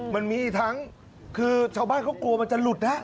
มันมีทั้งคือชาวบ้านเขากลัวมันจะหลุดนะ